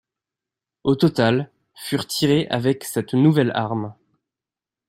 Au total, furent tirés avec cette nouvelle arme.